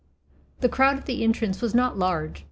The crowd at the entrance was not large.